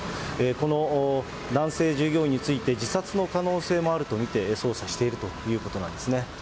この男性従業員について、自殺の可能性もあると見て捜査しているということなんです。